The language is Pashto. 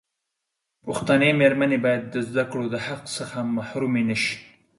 پښتنې مېرمنې باید د زدکړو دحق څخه محرومي نشي.